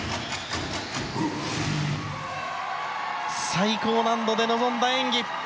最高難度で臨んだ演技。